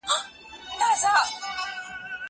زه اوس پوښتنه کوم!!